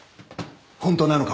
本当なのか？